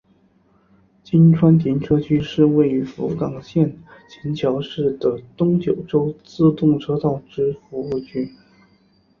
今川停车区是位于福冈县行桥市的东九州自动车道之服务区。